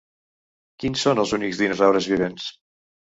Quins són els únics dinosaures vivents?